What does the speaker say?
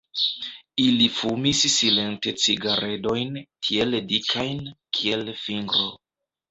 Ili fumis silente cigaredojn tiel dikajn, kiel fingro.